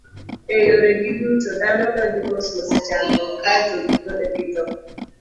E yoregi duto, dhano donjo mosmos e chandruok, kae to gikone githo.